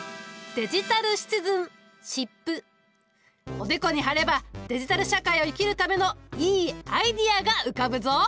おでこに貼ればデジタル社会を生きるためのいいアイデアが浮かぶぞ。